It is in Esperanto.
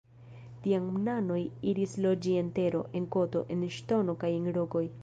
Tiam nanoj iris loĝi en tero, en koto, en ŝtono kaj en rokoj.